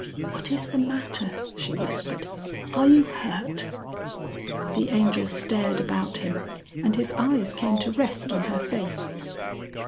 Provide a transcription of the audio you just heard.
"What is the matter?" she whispered. "Are you hurt?" The Angel stared about him, and his eyes came to rest on her face.